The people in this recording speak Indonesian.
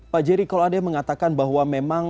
pak jerry kalau ada yang mengatakan bahwa memang